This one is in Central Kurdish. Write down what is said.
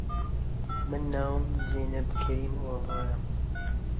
من ناوم زێنەب کەریم ئۆڤایە